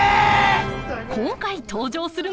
今回登場するのは。